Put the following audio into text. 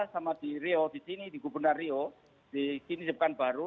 sama di rio di sini di gubernur rio di sini di pekanbaru